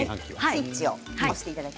スイッチを入れていただいて。